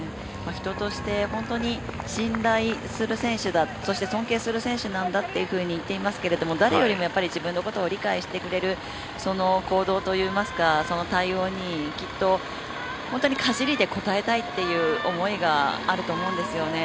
人として、本当に信頼する選手そして尊敬する選手なんだっていうふうに言っていますけれども誰よりも自分のことを理解してくれるその行動、対応にきっと本当に走りで応えたいという思いがあると思うんですよね。